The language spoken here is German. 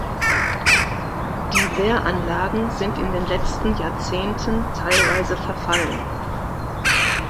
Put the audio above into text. Die Wehranlagen sind in den letzten Jahrzehnten teilweise verfallen.